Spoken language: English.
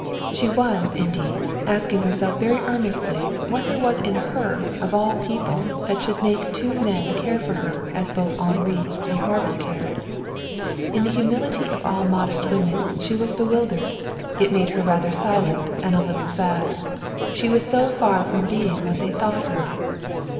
She was, indeed, asking herself very earnestly what was there in her of all people that should make two men care for her as both Henri and Harvey cared. In the humility of all modest women she was bewildered. It made her rather silent and a little sad. She was so far from being what they thought her.